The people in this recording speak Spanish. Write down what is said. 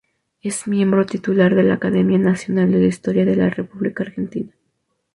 Es miembro titular de la Academia Nacional de la Historia de la República Argentina.